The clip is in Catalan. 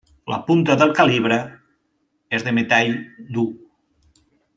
La punta del calibre és de metall dur.